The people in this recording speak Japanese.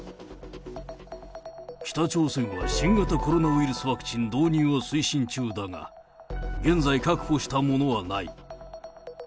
北朝鮮は新型コロナウイルスワクチン導入を推進中だが、現在、確保したものはない。